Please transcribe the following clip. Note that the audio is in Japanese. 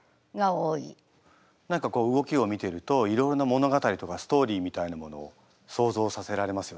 何かこう動きを見てるといろいろな物語とかストーリーみたいなものを想像させられますよね。